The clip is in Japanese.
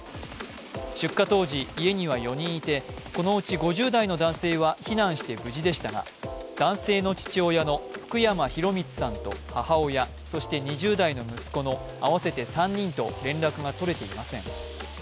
出火当時、家には４人いてこのうち５０代の男性は避難して無事でしたが男性の父親の福山博允さんと母親、そして２０代の息子の合わせて３人と連絡が取れていません。